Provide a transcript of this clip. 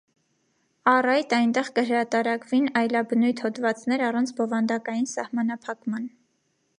Առ այդ այնտեղ կը հրատարակուին այլաբնոյթ յօդուածներ, առանց բովանդակային սահմանափակման։